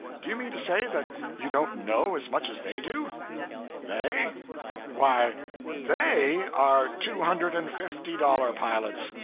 Do you mean to say that you don't know as much as they do?' 'They! Why, _they _are two hundred and fifty dollar pilots!